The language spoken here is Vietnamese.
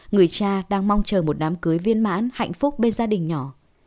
người cha đang mong chờ một đám cưới viên mãn hạnh phúc bên gia đình nhỏ